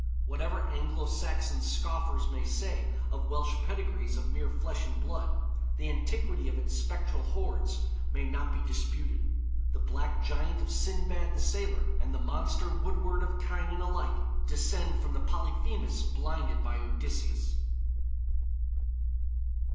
Whatever Anglo Saxon scoffers may say of Welsh pedigrees of mere flesh and blood, the antiquity of its spectral hordes may not be disputed. The black giant of Sindbad the Sailor and the monster woodward of Cynan alike descend from the Polyphemus blinded by Odysseus.